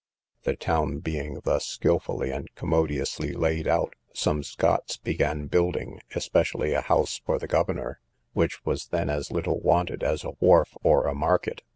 The town being thus skilfully and commodiously laid out, some Scots began building, especially a house for the governor, which was then as little wanted as a wharf or a market.